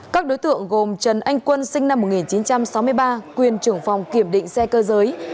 các đối tượng gồm trần anh quân sinh năm một nghìn chín trăm sáu mươi ba quyền trưởng phòng kiểm định xe cơ giới